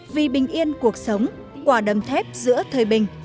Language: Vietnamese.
vì bình yên cuộc sống quả đầm thép giữa thời bình